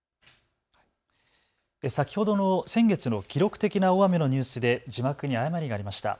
先ほどの先月の記録的な大雨のニュースで字幕に誤りがありました。